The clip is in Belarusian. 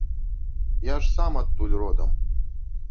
Я ж сам адтуль родам.